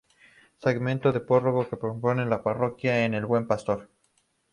Segmento del párroco pro-tempore de la Parroquia El Buen Pastor.